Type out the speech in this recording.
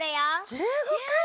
１５かい！？